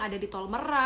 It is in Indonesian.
ada di tolmera